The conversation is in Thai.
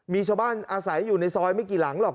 มีชาวบ้านอาศัยอยู่ในซอยไม่กี่หลังหรอก